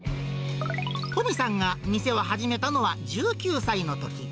とみさんが店を始めたのは１９歳のとき。